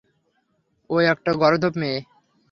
ও একটা গর্দভ মেয়ে।